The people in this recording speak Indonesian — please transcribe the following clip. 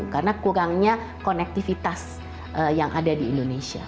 karena kurangnya konektivitas yang ada di indonesia